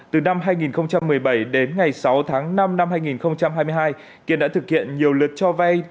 từ năm hai nghìn một mươi bảy đến ngày sáu tháng năm năm hai nghìn hai mươi hai kiên đã thực hiện nhiều lượt cho vay